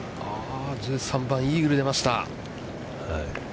１３番、イーグルが出ました。